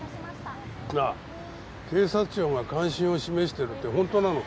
なあ警察庁が関心を示してるって本当なのか？